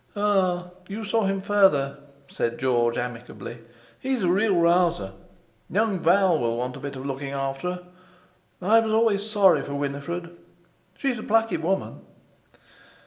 "Ah! You saw him further," said George amicably. "He's a real rouser. Young Val will want a bit of looking after. I was always sorry for Winifred. She's a plucky woman."